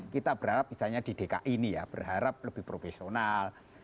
kita berharap misalnya di dki ini ya berharap lebih profesional